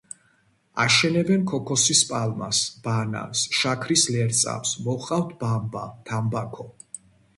აშენებენ ქოქოსის პალმას, ბანანს, შაქრის ლერწამს, მოჰყავთ ბამბა, თამბაქო.